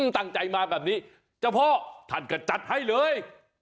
ตั้งใจมาแบบนี้เจ้าพ่อท่านก็จัดให้เลย